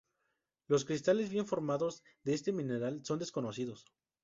Los cristales bien formados de este mineral son desconocidos.